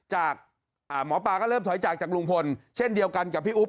หมอปลาก็เริ่มถอยจากจากลุงพลเช่นเดียวกันกับพี่อุ๊บ